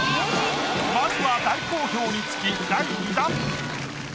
まずは大好評につき第２弾。